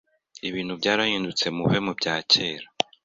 Ibintu byarahindutse muve mu bya kera